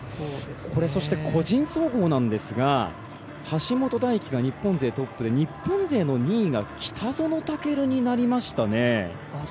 そして、個人総合なんですが橋本大輝が日本勢トップで日本勢の２位が北園丈琉になりましたね。